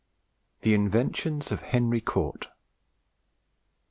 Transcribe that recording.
THE INVENTIONS OF HENRY CORT.